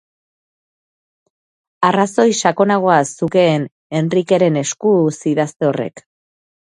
Arrazoi sakonagoa zukeen Enrikeren eskuz idazte horrek.